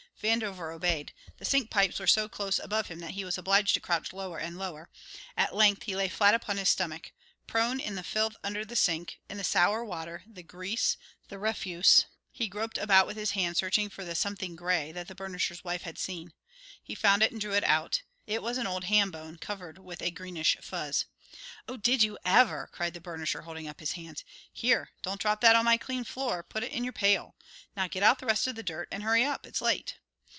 Vandover obeyed. The sink pipes were so close above him that he was obliged to crouch lower and lower; at length he lay flat upon his stomach. Prone in the filth under the sink, in the sour water, the grease, the refuse, he groped about with his hand searching for the something gray that the burnisher's wife had seen. He found it and drew it out. It was an old hambone covered with a greenish fuzz. "Oh, did you ever!" cried the burnisher, holding up his hands. "Here, don't drop that on my clean floor; put it in your pail. Now get out the rest of the dirt, and hurry up, it's late."